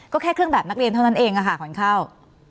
ก็แค่เครื่องแบบนักเรียนเท่านั้นเองค่ะขวัญเข้า